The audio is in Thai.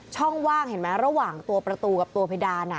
ช่องว่างเห็นไหมระหว่างตัวประตูกับตัวเพดาน